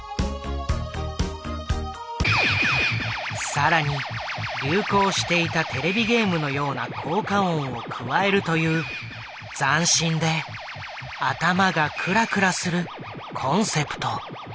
更に流行していたテレビゲームのような効果音を加えるという斬新で頭がクラクラするコンセプト。